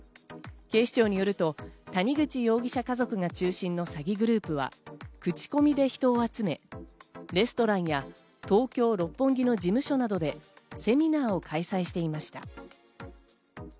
警視庁によると谷口容疑者家族が中心の詐欺グループは口コミで人を集め、レストランや東京・六本木の事務所などでセミナーを開催していました。